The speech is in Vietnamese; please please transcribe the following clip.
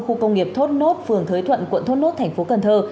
khu công nghiệp thốt nốt phường thới thuận quận thốt nốt thành phố cần thơ